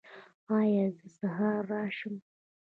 ایا زه سهار راشم؟